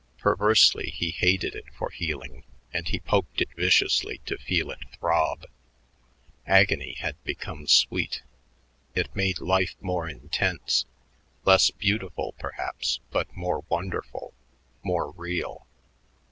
Perversely, he hated it for healing, and he poked it viciously to feel it throb. Agony had become sweet. It made life more intense, less beautiful, perhaps, but more wonderful, more real.